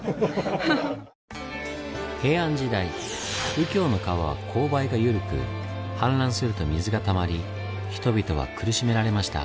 平安時代右京の川は勾配が緩く氾濫すると水がたまり人々は苦しめられました。